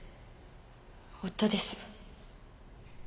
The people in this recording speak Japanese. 夫です。